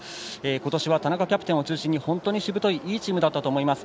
今年は田中キャプテンを中心に本当にしぶといいいチームだったと思います。